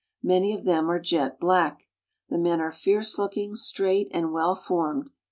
Many of them are jet black. The men are fierce looking, straight, and well formed.